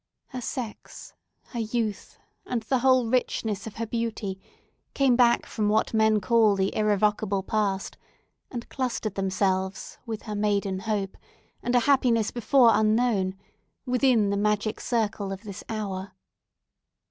Her sex, her youth, and the whole richness of her beauty, came back from what men call the irrevocable past, and clustered themselves with her maiden hope, and a happiness before unknown, within the magic circle of this hour.